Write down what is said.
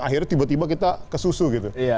akhirnya tiba tiba kita kesusu gitu